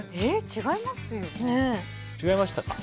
違います。